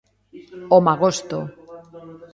O Magosto.